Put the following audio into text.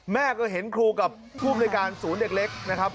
แม่ก็เห็นครูกับภูมิในการศูนย์เด็กเล็กนะครับ